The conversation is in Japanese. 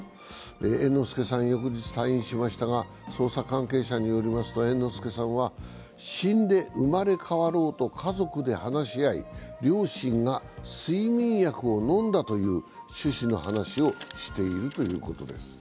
猿之助さんは翌日、退院しましたが捜査関係者によりますと、猿之助さんは死んで生まれ変わろうと家族で話し合い両親が睡眠薬を飲んだという趣旨の話をしているということです。